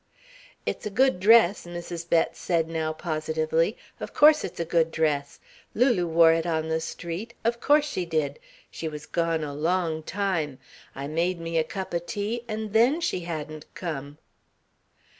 "It's a good dress," Mrs. Bett now said positively. "Of course it's a good dress. Lulie wore it on the street of course she did. She was gone a long time. I made me a cup o' tea, and then she hadn't come."